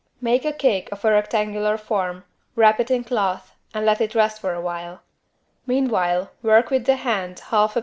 Make a cake of a rectangular form, wrap it in cloth and let it rest for a while. Meanwhile work with the hand 1/2 lb.